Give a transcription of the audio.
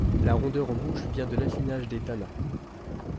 La rondeur en bouche vient de l'affinage des tanins.